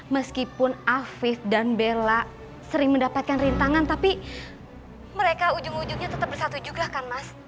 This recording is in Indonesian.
meskipun afif dan bella sering mendapatkan rintangan tapi mereka ujung ujungnya tetap bersatu juga kan mas